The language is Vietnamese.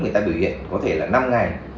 người ta biểu hiện có thể là năm ngày